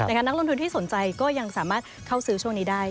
นักลงทุนที่สนใจก็ยังสามารถเข้าซื้อช่วงนี้ได้